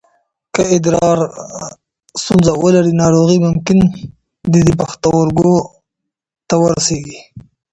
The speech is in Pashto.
که ادرار ستونزه ولري، ناروغي ممکن د پښتورګو ته ورسېږي.